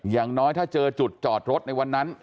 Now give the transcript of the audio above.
อย่างน้อยถ้าเจอจุดจอดรถในวันนั้น